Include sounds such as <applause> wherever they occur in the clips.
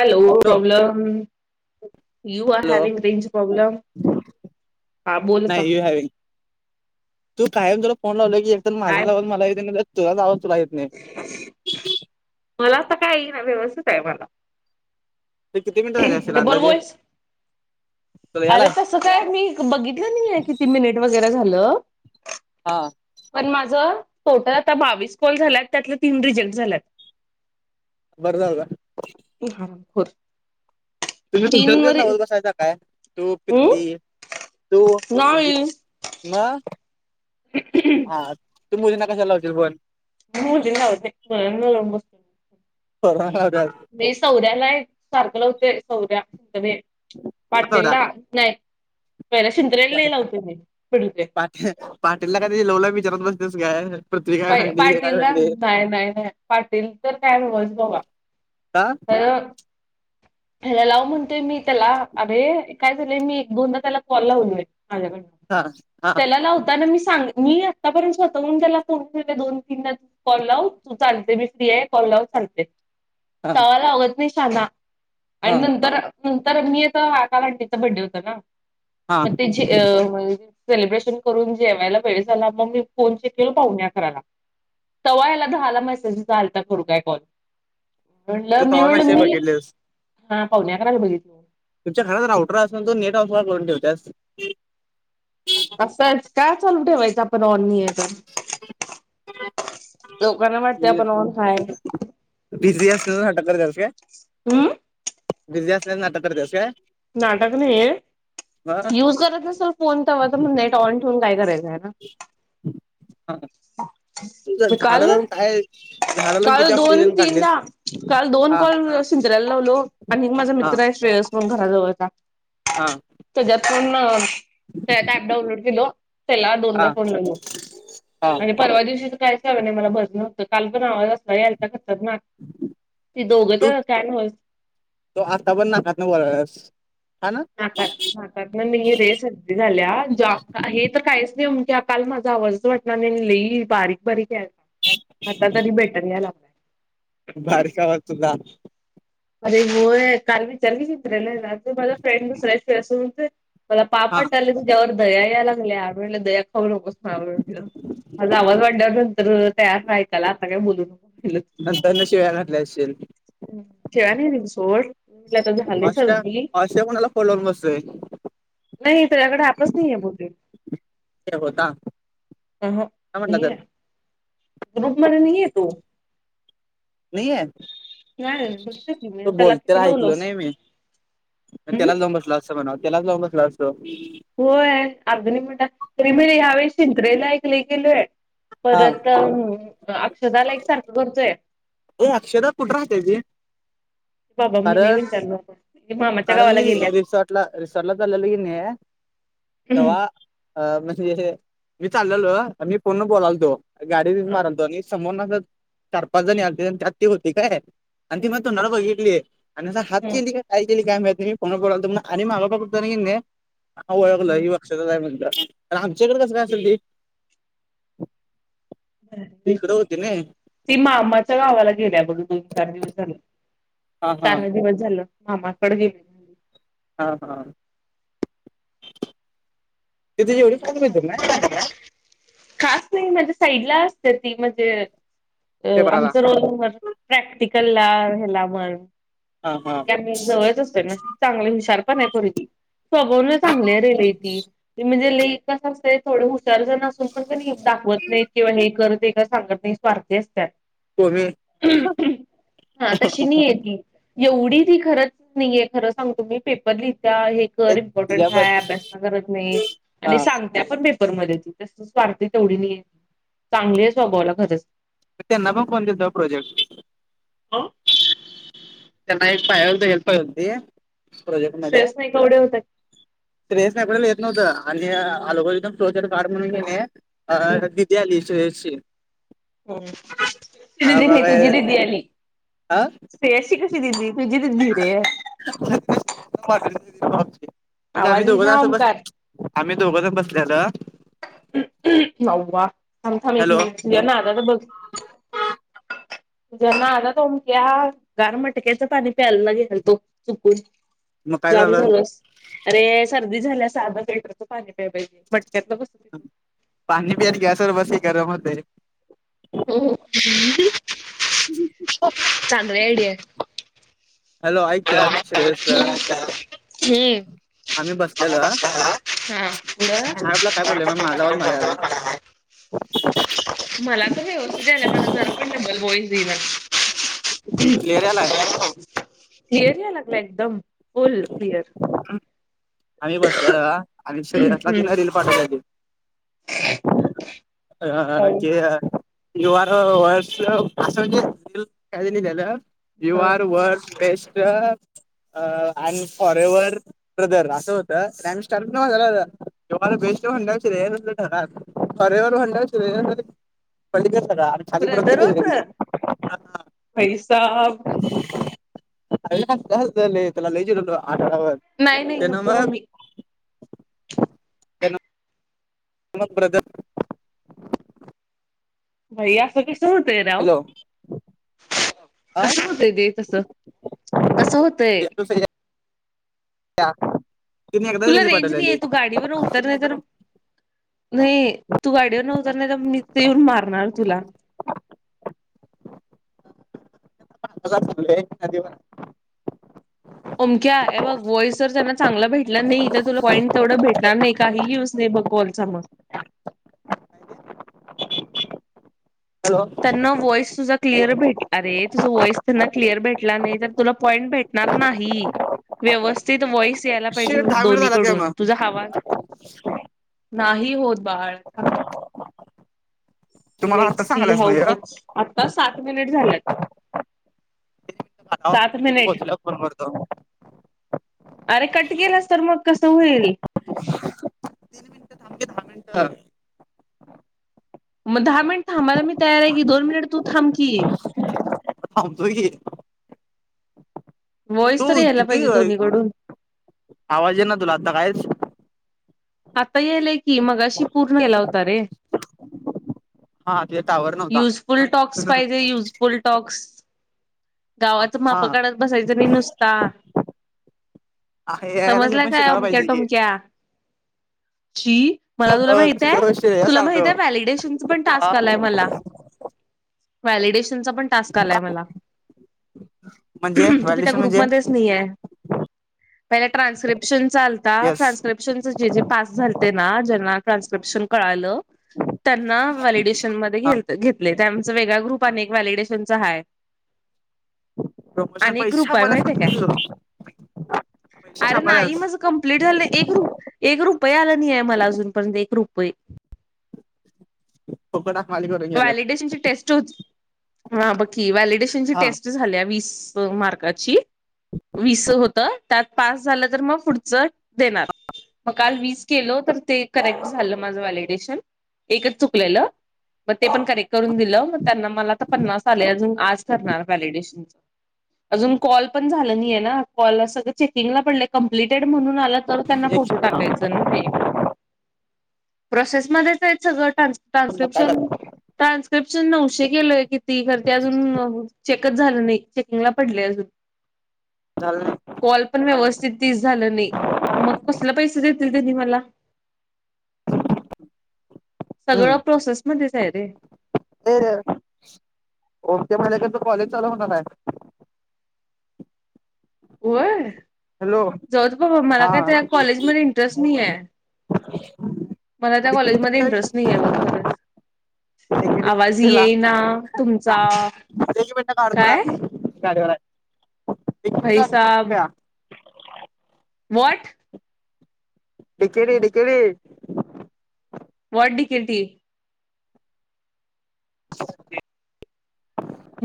Hello problem you are hello having range problem हा बोलता नाही यू हॅविंग तू कायम तुला फोन लावला की एक तरर काय माझा आवाज मला येत तुला आवाज तुला येत नाही मला आता काय ना व्यवस्थित आहे मला ते किती मिनिटं झाले असेल तर अंदाजे बोलवस तुला अरे यालाय तसं काय मी बघितलं नाही आहे किती मिनिट वगैरे झालं हा पण माझं स्ोट आता बावीस कोॉल झालात त्यातले तीन रिजेक्ट झाल्यात बरदव का हरम होर हम्म <unintelligible> नाही म हा तू मुलींना कशाला लावशील फोन. <unintelligible> <unintelligible> कुठला नवरा? <unintelligible> <unintelligible> पाटीलला काय त्याची लव लाईफ बिचारत बसतेस काय. पृथ्वी काय म्हणली हे काय पाटील ना म्हणली नाही नाही नाही पाटील तर <unintelligible> का हॅलो हयाला लाव म्हणतोय मी त्याला अरिया काय झाय मी एक दोनदा त्याला कॉल लावल माझ्याकडन हा हा त्याला लावताना मी सांग मी आत्तापर्यंत स्वतःहून त्याला त दोन तीन कॉल लाव तू चालते बिलते आहे कॉल लाव सांगते. हा तवा लावत नाही साधा हा आणि नंतर नंतर मी आता वाकावंटी चा बड्डे होता ना हा मग ते जे अ म्हणजे सेलिब्रेशन करून जेवायला वेळ झाला मग मी फोन किती ओ पावणे अकराला तवा याला दहाला मेसेज आलता करू काय कॉल. तू म्हणलं मी तवा म्हणलं मेसेज मी बघितलेस हा पावणे अकराला बघितल. तुमच्या घरात राऊटर असून तू नेट ऑफ का करून ठेवतेस. असच का चालू ठेवायचं आपण ऑन नाही आहे तर. लोकांना वाटते म्हणजे आपण ऑन हाय. बिझी असल्याचं नाटक करतेस काय. हम्म. बिझी असल्याचं नाटक करतेस काय? नाटक नाही आहे. हा युज करत नसेल फोन तवा तर मग नेट ऑन ठेवून काय करायचं हे ना. हा. तु जर मी झाड काल लाऊन हायेस झाड लाऊन किती काल दोन ऑक्सिजन काढलेस? तीनदा काल दोन हा कॉल सिंतराला लावलो हो आणि माझा हा मित्र आहे श्रेयस म्हणून घराजवळचा. हां. त्याच्यात पण त्यात ऍप डाऊनलोड केलो त्याला हा दोनदा फोन लावला हा आणि परवा दिवशीच कायच झालं नाही मला बरं नव्हतं काल पण आवाज <unintelligible> ती दोघे तू पण होते आणि तो आता पण नाकातन बोलालास हा ना? नाकातन नाही रे सर्दी झाल्या ज्या हे तर काहीच नाही उलट्या काल माझा आवाजच वाटत लइ बारीक, बारीक आहे आता तरी बेटर याला. बारीक आवाज तुझा. अरे होय काल विचारली की चित्र्याला रात्री माझा हा <unintelligible> दया या लागली <unintelligible> माझा आवाज वाढल्यानंतर त्याला आता काही बोलू नको नंतर न शिव्या घातल्या असशील. शिव्या नाही दिल्या सोड म्हटलं आता झालीये सर्दी असे कोणाला फोन लावत बसते. नाही त्याच्याकडे ॲपच नाहीये बहुतेक हे होता आ ह. काय म्हटला तर ग्रुपमध्ये नाही येतो. नाहीे ये. नाही बघितलं की मी तो त्याला बोलताना किती लावलं ऐकलो असं नाही मी आणि हम्म त्यालाच लावून बसलो. <unintelligible> त्यालाच लावून बसलो असतो. होय यावेळेस मोठा यावेळेस शिंक्रीयेला गेलोय. हा परत अक्षदाला एक सारखं करतोय. ए अक्षर कुठे राहते ती? बाबा मी नाही कारण, विचारलो आता. ती मामाच्या कारण गावाला मी गेल्या रिसॉर्टला, रिसॉर्टला चाललो की नाहे तेव्हा म्हणजे मी चाललेलो मी फोन वर बोलालतो. गाडीच हा मारालतो आणि समोर चार, पाच जणी आते त्यात ते होती काय? अ त मात हम्म नडबगडली आणिनस हातचीिली का <unintelligible> काय केली कायम तम्हीो पला आणि मागा पतता क नाही ह ओळला <unintelligible> लक्षच म्हणता आमच्याकडे कसं काय असेल ते. भारी तीकड होते ना. ती मामाच्या गावाला गेल्या बघ दोन, चार दिवस झालं हा हा चार ह दिवस झालं. मामा कड गेली. हा हा ते तुझे <unintelligible> एवढी फन मितील ना खास नाही म्हणजे साईडला असते ती म्हणजे अ पेपराला आमचं रोल नंबर. प्रॅक्टिकल ला ह्याला म्हण हा हा त्या जवळच असते ना चांगले हुशार पण आहे पोरगी. स्वभवान चांगली आहे लयी ती म्हणजे लइ कस असंय थोड हुशार झा पण दाखवत नाही किंवा हे करत ते का सांगत नाही स्वार्थी असतात. कोमी हा तशी नाही आहे ती. एवढी ती खरच नाहीे खरं सांगच तुम्ही पेपर लिहितला आहे. कर इम्पॉटन तुझ्या बघ काय अभ्यास करत नाही आणि हा सांगत पण पेपर मध्ये तशी स्वार्थी तेवढी नाही चांगली आहे स्वभावला खरच. त्यांना पण कोण दिलता प्रोजेक्ट? ह त्यांना एक पाती हेल्प होती प्रोजेक्ट मध्ये स्ट्रेस नाही केवढे होतात. ेस एडडे लेत न होत आणि आ लकज फोचड कारढण न नाही अ बद्यालीचची ह् तदी नाही मग तुझी दिदी आली अ स््री अशी क त दि तुजी दिदीी रे म्हणजे आम्ही आवाज येईना दोघंदा ओमकार बसते आम्ही दोघंजण बसले आलं नाववामथम हॅलो एक नाध बघ ज्यांना आग तोमक्या गारमटक्याचं पाणी प्यायला घेल तो चुकून मग काय जाम झालं झालोस अरे सर्दी झाल्यास अध लिटरच पाणी प्या पाहिजे मटक्यात बस पाणी पिय गसवर बसी गरम होते हो चांगली आयडिया हॅलो आयतार श्रेयस हम्म आम्ही बसलेलो हा ब आपला काय प्रॉब्लेम माझा वा मला आला मला तर व्यवस्थित यालाय मला जरा बलबोई त ना क्लिअर यायलाय एरिया लागला एकदम फुल क्लिअर आम्ही बसत आणि शरीरातला ति हम्म न रील पाठवलागे हा के आहे वर्ष अस काही नाही त्याला यू हा are work best uh forever brother असं होतं रॅम स्टार मा झाा जेव्हाला बेस्ट म्हंडयस ठर कररेवरवर हड श प स पु दरो तर पैसा त्याला लचे आा नाही नाही ना प म तमग ब्रदर भैया असं कसं होतंय राव हॅलो हा कसं होतय दे तस कस होतय का तुला रेंज नाही आहे तू गाडीवर उतर नाही तर नाही तू गाडीवर नाही मी ते येऊन मारणार तुला ह ांगलंयध अमक्या बघ वॉईस जर त्यांना चांगला भेटला नाही तर तुला पॉईंट तेवढं भेटणार नाही काही यूज नाही बघ कॉलचा मग हॅलो त्यांना वॉईस तुझा क्लिअर भट अरेुझ वॉईस त्यांना क्लिअर भेट तर तुला पॉईंट भेट नाही व्यवस्थित व यायला पाहिजे शेट दहा मिनिट दोन्ही झाला काय कडून मग तुझा हवा नाही होत बाळ तुम्हाला लेट आता सी सांगायलाच हाऊ पाहिजे मच आता सात मिनिट झाल्यात ह सात मिनिट पोहोचला फोन करतो अरे कट केलास तर मग कसं होईल तीन मिनिटं थांब की दहा मिनिटं मग दहा मिनट थांबाय मी तयार आहे कीोनट तू थांबकी मतो क तू वॉईस तर यायला किती पाहिजे दोन्हीकडून आवाज आहे ना तुला आता कायच आता येलय की मग अशी पूर्ण केला होत रे हावर <inaudible> युजफुल टॉक्स पाहिजे युज फुलटॉक्स गावाच माप हा. काढात बसायचं नाही नुसता आहे यायला हे समजला पण काय शिकायला अमक्या पाहिजे की टोमक्या मला तुला माहित आहे अ श्रेया तुला माहित सांगतो आहे व्हॅलिडेशनचा पण हा टास्क आलाय मला व्हॅलिडेशनचा पण टास्क आलाय मला म्हणजे तुही त्या व्हॅल्युएशन म्हणजे ग्रुपमध्येच नाहीय. पहिला ट्रान्स्क्रिप्शन चा आलता येस ट्रान्सक्रिप ट्रान्स्क्रिपशन जे जे टास्क झालते ना, ज्यांना ट्रान्स्क्रिपशन कळालं त्याना व्हॅलिडेशन हा वेगळा ग्रुप अनेक व्हॅलिडेशन आहे. प्रमोशन पैसा ग्रुप आहे मला माहितीय काय अरे नाही माझं कम्प्लीट झालं एक एक रुपये आला नाही आहे मला अजूनपर्यंत एक रुपये लोा खाळी करे <inaudible> व्हॅलिडेशन ची टेस्ट होती, बघ की व्हॅलिडेशन ची हा टेस्ट झाल्या वीस मार्काची वीस होत त्यात पास झालं तर मग पुढचं देणार मग काल वीस केल तर ते करेक्ट झालं माझं व्हॅलिडेशन एकच चुकलेलं मग ते पण करेक्ट करून दिलं मग त्यांना मला आ पन्नास आले अजून आज करणार व्हॅलिडेशनच ह अजून कॉल पण झालं नाही ना कॉल सगळं चेकिंगला पडलंय कम्प्लिटेड म्हणून आलं तर त्यांना फोटो टाकायच. जनी <inaudible> ह प्रोसेसमध्येच आहेत सगळं टान मग काय ट्रान्स्क्रिप्शन ट्रान्स्क्रिप्शन नऊशे केलंय किती खर ते अजून चेकच झालं नाही चेकिंगला पडले अजून झालं नाही. कॉल पण व्यवस्थित तीस झालं नाही मग कसले पैसे देतील त्यांनी मला सगळं प्रोसेसमध्येध्येच आहे रे. ते ओमके महिनात कॉलेज चालू होणार आहे. होय हॅलो जाऊदे बाबा मला काय हा त्या कॉलेजमध्येध्ये इंटरेस्ट नाही आहे. मला त्या कॉलेजमध्ये डिकेडीला इंटरेस्ट नाही आहे बघ एक खरंच.. मिनिट आवाज येईना तुमचा काय प काढूनड भाईसाब <inaudible> वट डिकेरी डिकेरी what D K T a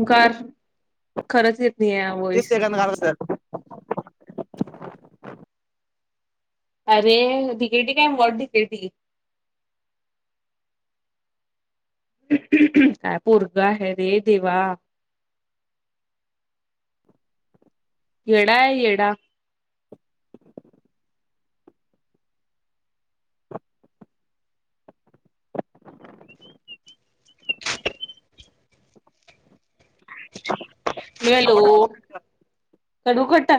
car खरंच येत नाही आहे व्हॉइस ा <inaudible> अरे डीकेटी काय व्हाट डीकेटी काय पोरग आहे रे देवा येडा आहे येडा हॅलो, कडू खट्ट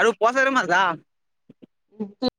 अ पॉसर मझ जाा <inaudible> ह्